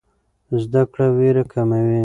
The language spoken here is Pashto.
زده کړه ویره کموي.